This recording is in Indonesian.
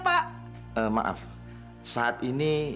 saat ini mereka tertahan di rumah